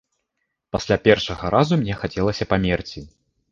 Пасля першага разу мне хацелася памерці.